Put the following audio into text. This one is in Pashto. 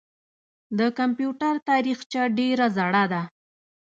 د کمپیوټر تاریخچه ډېره زړه ده.